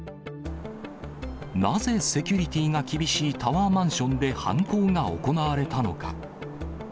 なぜセキュリティーが厳しいタワーマンションで犯行が行われたのか。